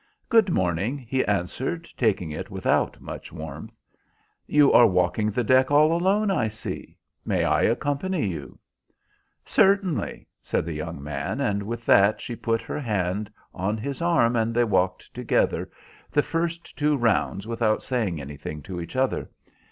"Good morning," he answered, taking it without much warmth. "You are walking the deck all alone, I see. May I accompany you?" "Certainly," said the young man, and with that she put her hand on his arm and they walked together the first two rounds without saying anything to each other.